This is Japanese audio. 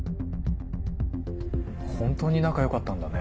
ホントに仲良かったんだね。